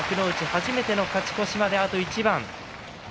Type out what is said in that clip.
初めての勝ち越しまであと一番。